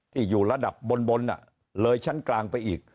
อยู่ระดับบนเลยชั้นกลางไปอีก